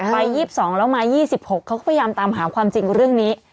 ไป๒๒แล้วมา๒๖เขาก็พยายามตามหาความจริงเรื่องนี้